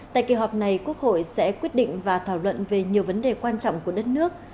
tại kỳ họp này quốc hội sẽ quyết định và thảo luận về nhiều vấn đề quan trọng của đất nước